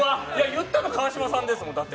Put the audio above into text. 言ったの川島さんですもん。